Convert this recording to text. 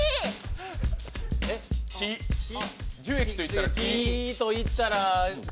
樹液と言ったら、木。